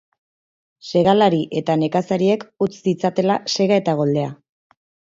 Segalari eta nekazariek utz ditzatela sega eta goldea.